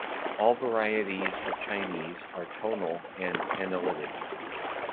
All varieties of Chinese are tonal and analytic.